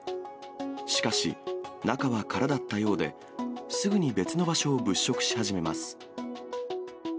しかし、中は空だったようで、すぐに別の場所を物色し始めます。